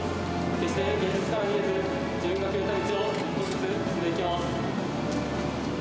決して現実から逃げず、自分が決めた道を一歩ずつ進んでいきます。